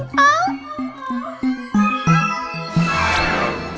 itu kan rumahnya